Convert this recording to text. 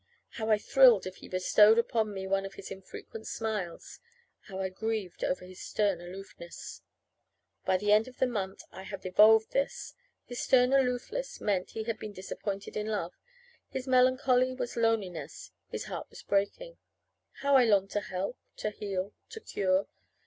How I thrilled if he bestowed upon me one of his infrequent smiles! How I grieved over his stern aloofness! By the end of a month I had evolved this: his stern aloofness meant that he had been disappointed in love; his melancholy was loneliness his heart was breaking. How I longed to help, to heal, to cure!